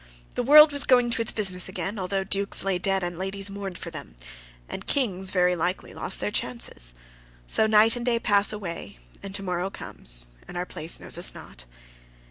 The world was going to its business again, although dukes lay dead and ladies mourned for them; and kings, very likely, lost their chances. So night and day pass away, and to morrow comes, and our place knows us not.